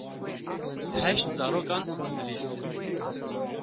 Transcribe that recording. Heşt zarokan dilîst.